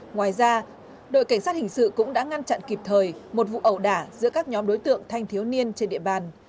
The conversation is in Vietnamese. ngoài ra đội cảnh sát hình sự cũng đã ngăn chặn kịp thời một vụ ẩu đả giữa các nhóm đối tượng thanh thiếu niên trên địa bàn